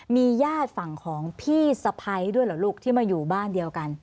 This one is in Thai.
มีญาติฝั่งของพี่สะพ้ายด้วยเหรอลูกที่มาอยู่บ้านเดียวกัน